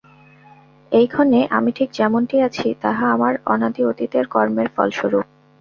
এইক্ষণে আমি ঠিক যেমনটি আছি, তাহা আমার অনাদি অতীতের কর্মের ফলস্বরূপ।